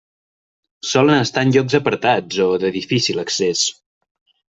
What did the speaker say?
Solen estar en llocs apartats o de difícil accés.